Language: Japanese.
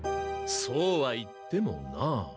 そうは言ってもなあ。